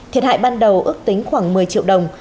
thiệt hại ban đầu ước tính khoảng một mươi triệu đồng